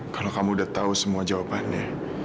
kalau kamu udah tau semua jawabannya